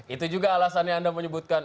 itu juga alasannya anda menyebutkan